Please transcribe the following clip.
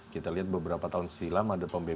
kita lihat beberapa tahun silam ada pembebasan